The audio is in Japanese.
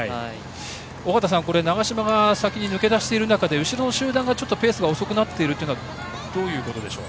尾方さん、長嶋が先に抜け出している中で後ろの集団がちょっとペースが遅くなっているのはどういうことでしょう。